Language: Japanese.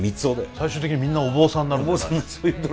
最終的にみんなお坊さんになるんじゃないの？